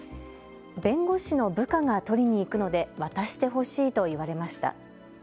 弁護士の部下が取りに行くので渡してほしいと言われました。